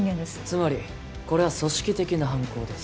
つまりこれは組織的な犯行です